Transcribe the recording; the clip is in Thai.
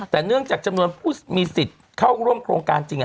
แต่เนื่องจากจำนวนผู้มีสิทธิ์เข้าร่วมโครงการจริง